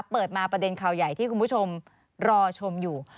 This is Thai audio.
เปิดมาประเด็นข่าวใหญ่ที่คุณผู้ชมรอชมอยู่